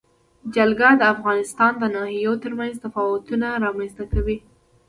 جلګه د افغانستان د ناحیو ترمنځ تفاوتونه رامنځ ته کوي.